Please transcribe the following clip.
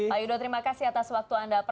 pak yudo terima kasih atas waktu anda